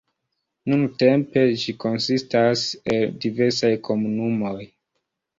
Nuntempe ĝi konsistas el diversaj komunumoj.